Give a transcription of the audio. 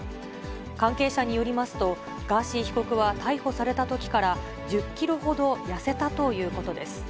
関係者によりますと、ガーシー被告は逮捕されたときから１０キロほど痩せたということです。